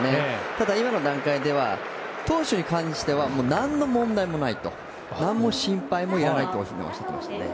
ただ、今の段階では投手に関しては何の問題もないと何の心配もいらないとおっしゃっていましたね。